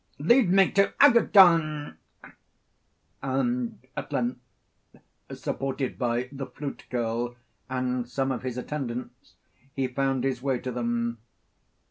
Lead me to Agathon,' and at length, supported by the flute girl and some of his attendants, he found his way to them.